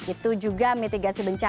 itu juga mitigasi bencana